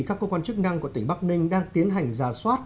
các cơ quan chức năng của tỉnh bắc ninh đang tiến hành giả soát